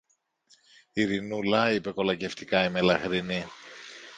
Ειρηνούλα, είπε κολακευτικά η μελαχρινή